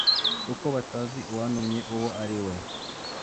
kuko batazi uwantumye uwo ari we.»